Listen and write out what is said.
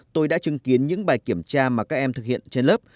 tôi đã chứng kiến những bài kiểm tra mà các em thực hiện trên lớp